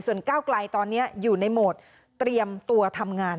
ก้าวไกลตอนนี้อยู่ในโหมดเตรียมตัวทำงาน